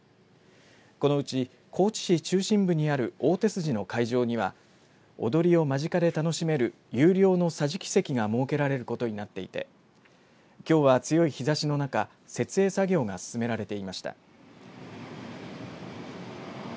このうち高知市中心部にある追手筋の会場には踊りを間近で楽しめる有料の桟敷席が設けられることになっていてきょうは強い日ざしの中設営作業が進められていました。